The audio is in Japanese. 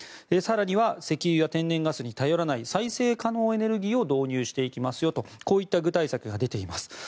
更には石油や天然ガスに頼らない再生可能エネルギーを導入していきますというこういった具体策が出ています。